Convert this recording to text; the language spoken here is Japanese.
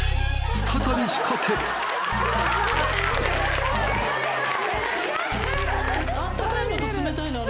再び仕掛ける。